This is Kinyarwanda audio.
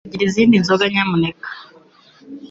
Nshobora kugira izindi nzoga nyamuneka?